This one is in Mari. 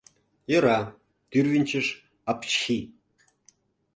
Йӧра — тӱрвынчыш апчхи.